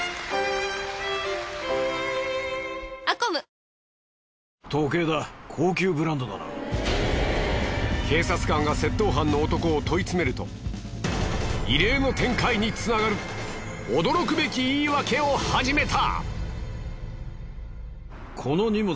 そして事態は警察官が窃盗犯の男を問い詰めると異例の展開につながる驚くべき言い訳を始めた。